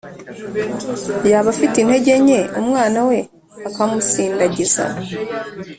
yaba afite intege nke umwana we akamusindagiza.